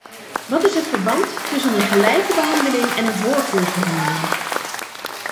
Wat is het verband tussen een gelijke behandeling en een voorkeursbehandeling?